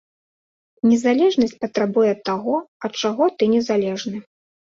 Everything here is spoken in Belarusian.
Незалежнасць патрабуе таго, ад чаго ты незалежны.